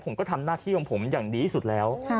ผมก็ทำหน้าที่ของผมอย่างดีที่สุดแล้ว